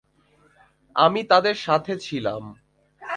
আমি তাদের সাথে ছিলাম।